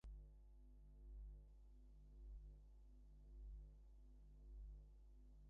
গতকাল সোমবার থেকে প্রিজন ভ্যানের পেছনে নিরাপত্তার জন্য একটি পুলিশের গাড়ি রাখা হয়েছে।